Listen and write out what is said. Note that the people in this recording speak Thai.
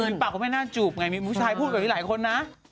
ปากก็ไม่น่าจูบไงมีผู้ชายพูดแบบนี้หลายคนนะ